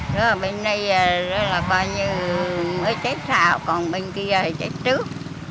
rồi bên này rồi là coi như mới chết sao còn bên kia thì chết trước